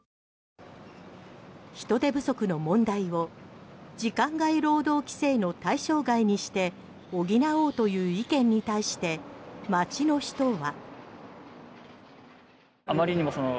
人手不足の問題を時間外労働規制の対象外にして補おうという意見に対して、街の人は。